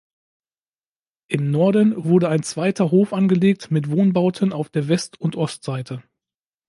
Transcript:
Im Norden wurde ein zweiter Hof angelegt mit Wohnbauten auf der West- und Ostseite.